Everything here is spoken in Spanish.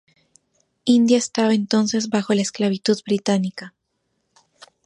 India estaba entonces bajo la esclavitud británica.